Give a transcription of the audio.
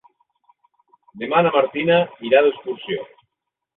Demà na Martina irà d'excursió.